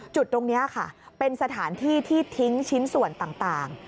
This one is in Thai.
จุดตรงนี้ค่ะเป็นสถานที่ที่ทิ้งชิ้นส่วนต่าง